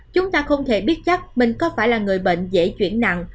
chúng ta không thể biết chắc mình có phải là người bệnh dễ chuyển nặng